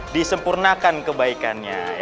disempurnakan kebaikannya ya